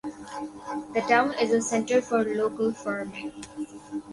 The town is a center for local farming.